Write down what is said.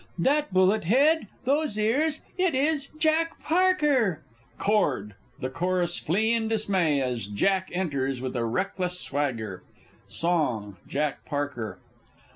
That bullet head! those ears! it is Jack Parker! [Chord. The Chorus flee in dismay, as JACK enters with a reckless swagger. Song JACK PARKER.